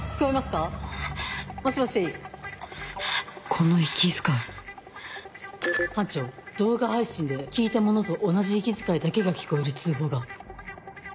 この息遣い班長動画配信で聞いたものと同じ息遣いだけが聞こえる通報が。